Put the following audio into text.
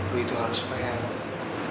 gue itu harus payah